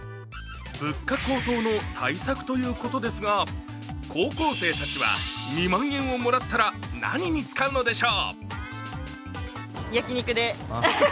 物価高騰の対策ということですが、高校生たちは２万円をもらったら何に使うのでしょう？